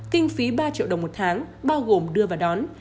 kinh phí ba triệu đồng một tháng bao gồm đưa vào đón